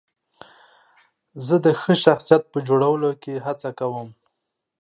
زه د ښه شخصیت په جوړولو کې هڅه کوم.